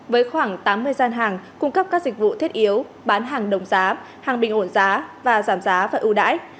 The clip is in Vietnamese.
với khoảng tám mươi gian hàng cung cấp các dịch vụ thiết yếu bán hàng đồng giá hàng bình ổn giá và giảm giá và ưu đãi